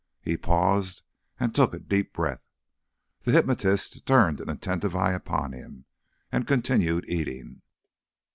He paused and took a deep breath. The hypnotist turned an attentive eye upon him, and continued eating.